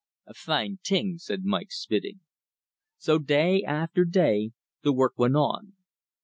"A fine t'ing!" said Mike, spitting. So day after day the work went on.